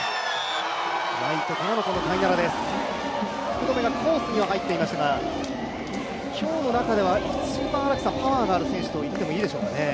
福留がコースには入っていましたが今日の中では、一番パワーがある選手と言ってもいいでしょうね。